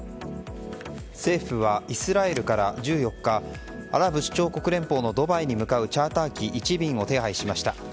政府はイスラエルから１４日アラブ首長国連邦のドバイに向かうチャーター機１便を手配しました。